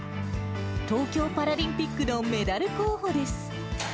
東京パラリンピックのメダル候補です。